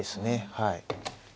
はい。